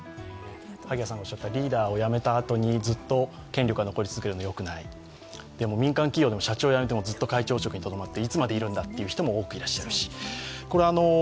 リーダーをやめたあとにずっと権力が残り続けるのはよくないでも、民間企業でも社長を辞めてもずっと会長職にとどまっていつまでいるんだという人も多くいらっしゃるし。